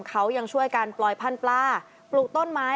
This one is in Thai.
เขายังช่วยกันปล่อยพันธุ์ปลาปลูกต้นไม้